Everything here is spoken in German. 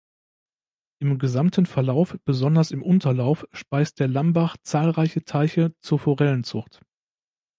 Im gesamten Verlauf, besonders im Unterlauf, speist der Lambach zahlreiche Teiche zur Forellenzucht.